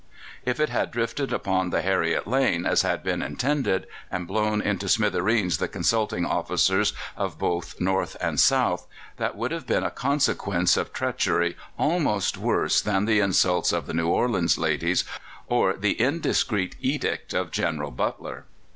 If it had drifted upon the Harriet Lane, as had been intended, and blown into smithereens the consulting officers of both North and South, that would have been a consequence of treachery almost worse than the insults of the New Orleans ladies or the indiscreet edict of General Butler.